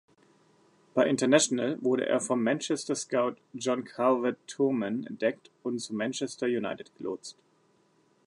Bei Internacional wurde er vom Manchester-Scout John Calvert-Toulmin entdeckt und zu Manchester United gelotst.